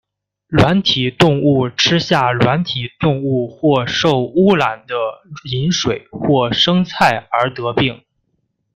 软体动物吃下软体动物或受污染的饮水或生菜而得病。